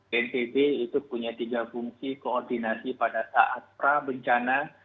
bnpb itu punya tiga fungsi koordinasi pada saat prabencana